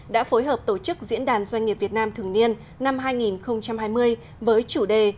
đã phối hợp tổ chức diễn đàn doanh nghiệp việt nam thường niên năm hai nghìn hai mươi với chủ đề